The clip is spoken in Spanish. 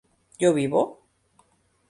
¿yo vivo?